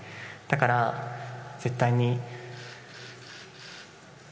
だから、絶対に。